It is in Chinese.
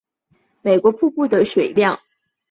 美国瀑布的水量占尼亚加拉瀑布总水量的约一成。